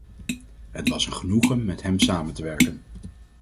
Het was een genoegen met hem samen te werken.